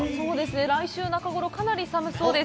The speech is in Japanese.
来週中ごろ、かなり寒そうです。